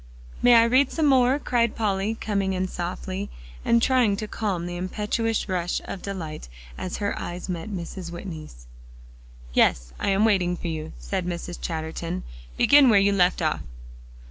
"May I read some more?" cried Polly, coming in softly, and trying to calm the impetuous rush of delight as her eyes met Mrs. Whitney's. "Yes; I am waiting for you," said Mrs. Chatterton. "Begin where you left off."